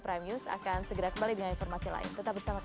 prime news akan segera kembali dengan informasi lain tetap bersama kami